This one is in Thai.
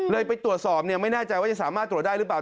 ไปตรวจสอบไม่แน่ใจว่าจะสามารถตรวจได้หรือเปล่า